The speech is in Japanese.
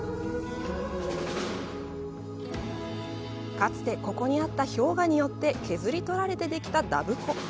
かつてここにあった氷河によって削り取られてできたダブ湖。